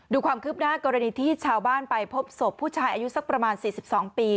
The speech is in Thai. ดูความคืบหน้ากรณีที่ชาวบ้านไปพบศพผู้ชายอายุสักประมาณ๔๒ปี